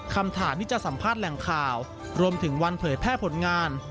คำถามที่จะสัมภาษณ์แหล่งข่าวรวมถึงวันเผยแพร่ผลงาน